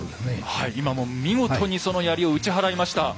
今もう見事にその槍を打ち払いました。